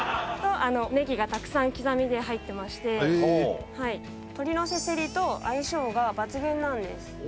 ネギがたくさん刻みで入ってまして鶏のせせりと相性が抜群なんです